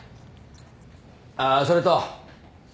あそれと。